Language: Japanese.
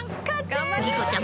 莉子ちゃん